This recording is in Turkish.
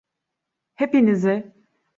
Hepinizi…